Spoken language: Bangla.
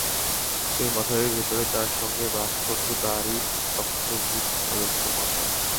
সেই মশারির ভেতরে তাঁর সঙ্গে বাস করত তাঁরই রক্তভুক অজস্র মশা।